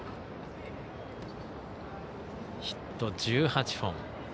ヒット１８本。